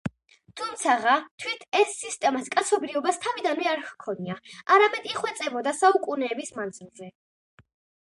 თუმცაღა თვით ეს სისტემაც კაცობრიობას თავიდანვე არ ჰქონია, არამედ იხვეწებოდა საუკუნეების მანძილზე.